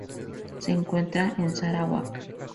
Se encuentra en Sarawak.